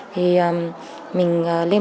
mình lên bệnh viện